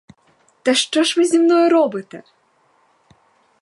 Та що ж ви зі мною робите?